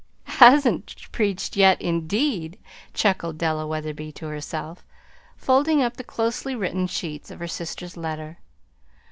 "'Hasn't preached yet,' indeed!" chuckled Della Wetherby to herself, folding up the closely written sheets of her sister's letter.